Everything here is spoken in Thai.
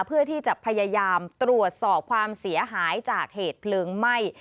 เพื่อที่จะพยายามตรวจสอบความเสียหายจากเหตุเพลิงไหม้